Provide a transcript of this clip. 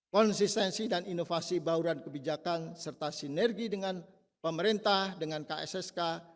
konsistensi dan inovasi bauran kebijakan serta sinergi dengan pemerintah dengan kssk